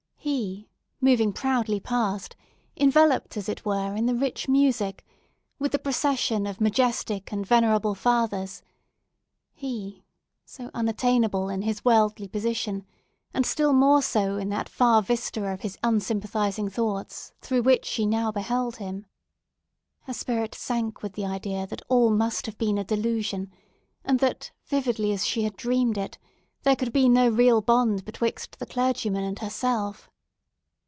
He, moving proudly past, enveloped as it were, in the rich music, with the procession of majestic and venerable fathers; he, so unattainable in his worldly position, and still more so in that far vista of his unsympathizing thoughts, through which she now beheld him! Her spirit sank with the idea that all must have been a delusion, and that, vividly as she had dreamed it, there could be no real bond betwixt the clergyman and herself.